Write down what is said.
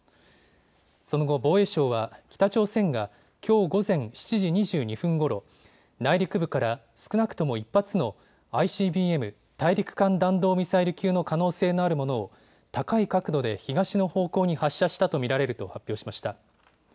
その後、防衛省は北朝鮮がきょう午前７時２２分ごろ、内陸部から少なくとも１発のＩＣＢＭ・大陸間弾道ミサイル級の可能性のあるものを高い角度で東の方向に発射したと見られると発表しました。